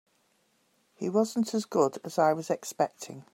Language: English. He wasn't as good as I was expecting.